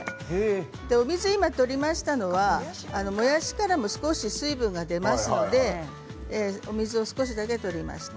お水を今取りましたのはもやしからも少し水分が出ますのでお水を少しだけ取りました。